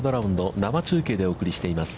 生中継でお送りしています。